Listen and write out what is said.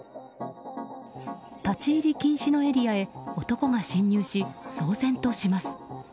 立ち入り禁止のエリアへ男が侵入し、騒然とします。